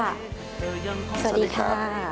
สวัสดีค่ะ